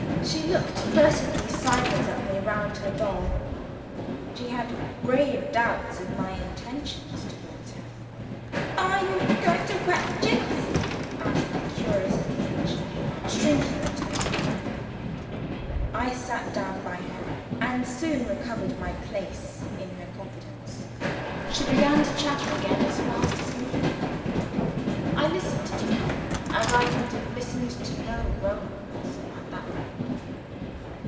She looked furtively sideways at me, round her doll: she had grave doubts of my intentions towards her. "Are you going to whack Jicks?" asked the curious little creature, shrinking into her corner. I sat down by her, and soon recovered my place in her confidence. She began to chatter again as fast as usual. I listened to her as I could have listened to no grown up person at that moment.